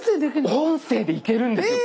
音声でいけるんです！